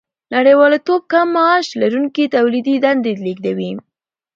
نړیوالتوب کم معاش لرونکي تولیدي دندې لېږدوي